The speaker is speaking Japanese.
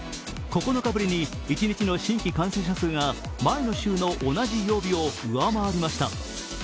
９日ぶりに一日の新規感染者が前の週の同じ曜日を上回りました。